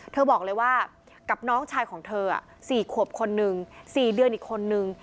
บอกเลยว่ากับน้องชายของเธอ๔ขวบคนนึง๔เดือนอีกคนนึง